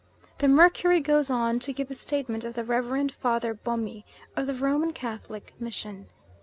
The Mercury goes on to give the statement of the Reverend Father Bomy of the Roman Catholic Mission.